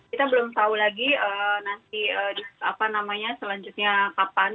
kita belum tahu lagi nanti selanjutnya kapan